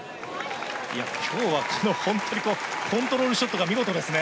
今日は本当にコントロールショットが見事ですね。